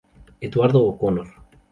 Eduardo O'Connor...".